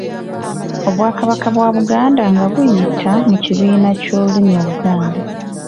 Obwakabaka bwa Buganda nga buyita mu kibiina ky’olulimi Oluganda